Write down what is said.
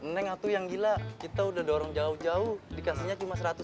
neng atau yang gila kita udah dorong jauh jauh dikasihnya cuma seratus